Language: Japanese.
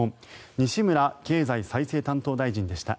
西村経済再生担当大臣でした。